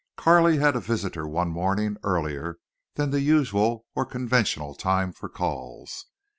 Carley had a visitor one morning earlier than the usual or conventional time for calls.